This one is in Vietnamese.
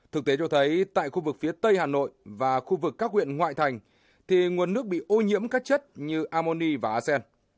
thực tế cho thấy tại khu vực phía tây hà nội và khu vực các huyện ngoại thành thì nguồn nước bị ô nhiễm các chất như amoni và asen